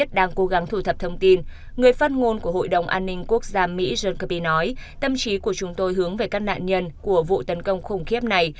tâm trí của chúng tôi hướng về các nạn nhân của vụ tấn công khủng khiếp này